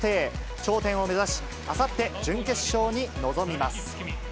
頂点を目指し、あさって準決勝に臨みます。